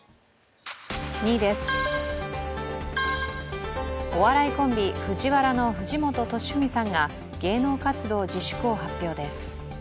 ２位です、お笑いコンビ、ＦＵＪＩＷＡＲＡの藤本敏史さんが芸能活動自粛を発表です。